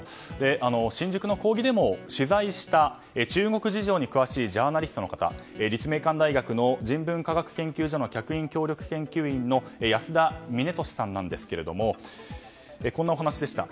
新宿の抗議デモを取材した中国事情に詳しいジャーナリスト立命館大学の人文科学研究所の客員協力研究員の安田峰俊さんなんですがこんなお話でした。